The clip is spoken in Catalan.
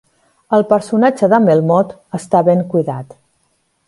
El personatge d'en Melmotte està ben cuidat.